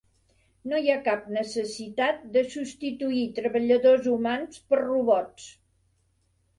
No hi ha cap necessitat de substituir treballadors humans per robots.